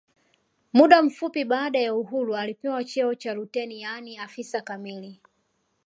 Muda mfupi baada ya uhuru alipewa cheo cha luteni yaani afisa kamili